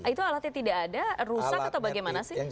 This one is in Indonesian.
itu alatnya tidak ada rusak atau bagaimana sih